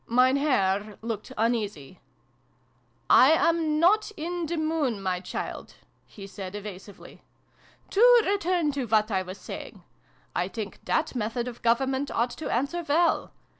Mein Herr looked uneasy. " I am not in the Moon, my child," he said evasively. " To return to what I was saying. I think that method of government ought to answer well.